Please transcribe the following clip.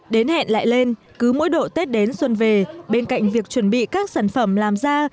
đến hẹn lại lên cứ mỗi độ tết đến xuân về bên cạnh việc chuẩn bị các sản phẩm làm ra